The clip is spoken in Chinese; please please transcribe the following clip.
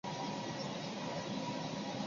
与事前的想像截然不同